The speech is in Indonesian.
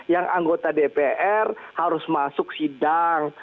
yang anggota dpr harus masuk sidang